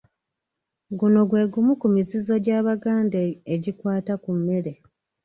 Guno gwe gumu ku mizizo gy'Abaganda egikwata ku mmere.